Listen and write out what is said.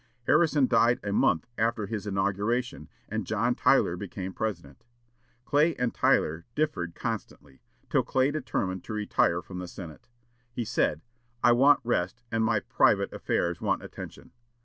Harrison died a month after his inauguration, and John Tyler became President. Clay and Tyler differed constantly, till Clay determined to retire from the Senate. He said: "I want rest, and my private affairs want attention.